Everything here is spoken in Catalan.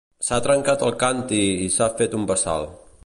S'ha trencat el càntir i s'ha fet un bassal.